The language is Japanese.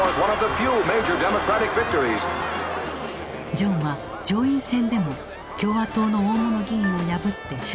ジョンは上院選でも共和党の大物議員を破って勝利。